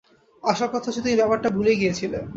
আসল কথা হচ্ছে, তুমি ব্যাপারটা ভুলে গিয়েছিলে।